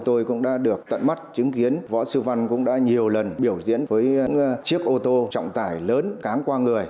tôi cũng đã được tận mắt chứng kiến võ sư văn cũng đã nhiều lần biểu diễn với chiếc ô tô trọng tải lớn cán qua người